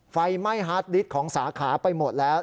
ไฟไหม้ฮาร์ดลิสต์ของสาขาไปหมดแล้ว